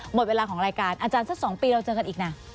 หมดเวลาของรายการอาจารย์สัก๒ปีเราเจอกันอีกนะ